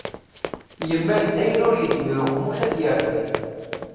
Yemmal-d ayen ur yezmir uqemmuc ad t-yerfed.